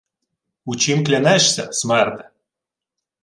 — У чім клянешся, смерде?